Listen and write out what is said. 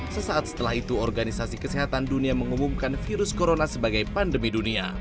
sesaat setelah itu organisasi kesehatan dunia mengumumkan virus corona sebagai pandemi dunia